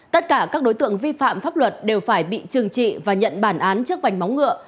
tất cả các đối tượng vi phạm pháp luật đều phải bị trừng trị và nhận bản án trước vành máu ngựa